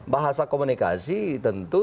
bahasa komunikasi tentu